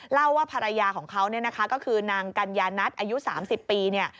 เล่าว่าภรรยาของเขาก็คือนางกัญญาณัติอายุ๓๐ปี